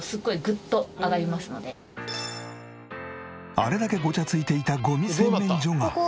あれだけゴチャついていたゴミ洗面所が。